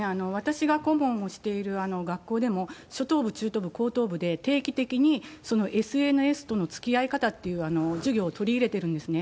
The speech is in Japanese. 私が顧問をしている学校でも、初等部、中等部、高等部で定期的にＳＮＳとのつきあい方っていう授業を取り入れているんですね。